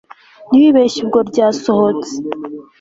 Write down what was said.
ntiwibeshye ubwo ryasohotse